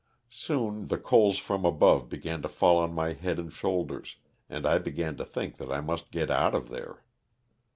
Soon the coals from above began to fall on my head and shoul ders and I began to think that I must get out of there.